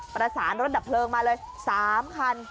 ประสานรถดับเพลิงมาเลย๓คัน